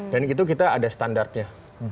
dan itu kita ada standartnya